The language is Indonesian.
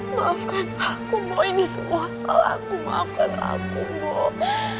maafkan aku mbok ini semua salah aku maafkan aku mbok